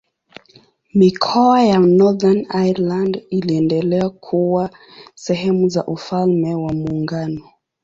Mikoa ya Northern Ireland iliendelea kuwa sehemu za Ufalme wa Muungano.